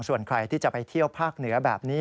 ส่วนใครที่จะไปเที่ยวภาคเหนือแบบนี้